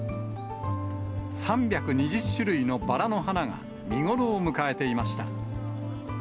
３２０種類のバラの花が、見頃を迎えていました。